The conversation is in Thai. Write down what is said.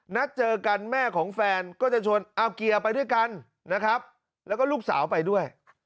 นัดเจอกันแม่ของแฟนก็จะชวนเอาเกียร์ไปด้วยกันนะครับแล้วก็ลูกสาวไปด้วย